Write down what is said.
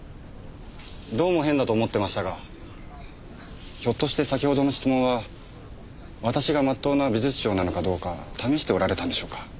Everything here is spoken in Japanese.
どうも変だと思ってましたがひょっとして先ほどの質問は私が真っ当な美術商なのかどうか試しておられたんでしょうか？